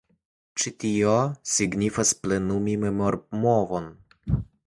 Ĉi tio signifas plenumi memormovon.